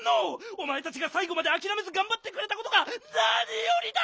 おまえたちがさいごまであきらめずがんばってくれたことがなによりだ！